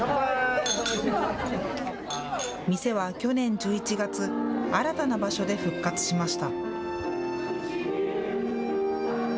店は去年１１月、新たな場所で復活しました。